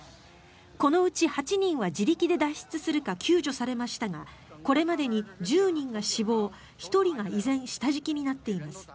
このうち８人は自力で脱出するか救助されましたがこれまでに１０人が死亡１人が依然下敷きになっています。